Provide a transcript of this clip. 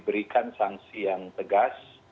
berikan sanksi yang tegas